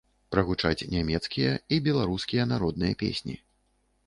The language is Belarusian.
Прагучаць нямецкія і беларускія народныя песні.